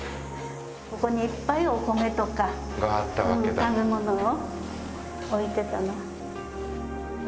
ここにいっぱいお米とか食べ物置いてたの。